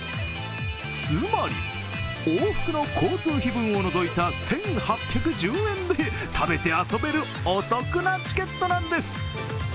つまり、往復の交通費分を除いた１８１０円で食べて遊べるお得なチケットなんです。